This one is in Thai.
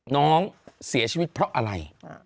น้องเสียชีวิตเพราะอะไร